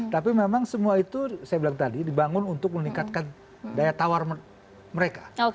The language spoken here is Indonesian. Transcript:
tapi memang semua itu saya bilang tadi dibangun untuk meningkatkan daya tawar mereka